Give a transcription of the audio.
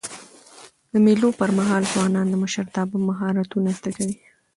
د مېلو پر مهال ځوانان د مشرتابه مهارتونه زده کوي.